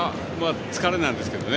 疲れなんですけどね。